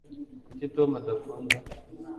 kuki tom adakunda